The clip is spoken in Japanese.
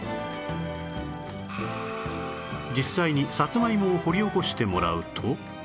実際にさつまいもを掘り起こしてもらうと